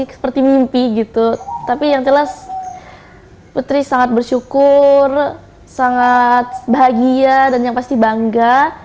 seperti mimpi gitu tapi yang jelas putri sangat bersyukur sangat bahagia dan yang pasti bangga